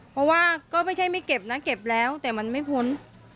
เพราะว่าก็ไม่ใช่ไม่เก็บนะเก็บแล้วแต่มันไม่พ้น